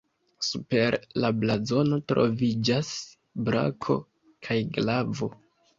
Super la blazono troviĝas brako kun glavo.